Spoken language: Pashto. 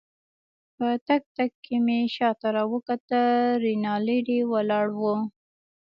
په تګ تګ کې مې شاته راوکتل، رینالډي ولاړ وو.